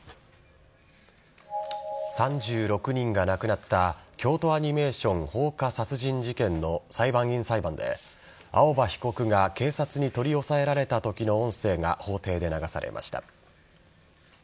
３６人が亡くなった京都アニメーション放火殺人事件の裁判員裁判で青葉被告が警察に取り押さえられたときの音声が法廷で流されました。